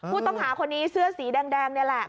ผู้ต้องหาคนนี้เสื้อสีแดงนี่แหละ